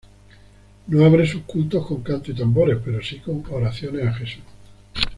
No abre sus cultos con cantos y tambores, pero sí con oraciones a Jesús.